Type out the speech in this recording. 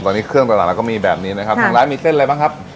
ตอนนี้เครื่องตลาดเราก็มีแบบนี้นะครับทางร้านมีเส้นอะไรบ้างครับ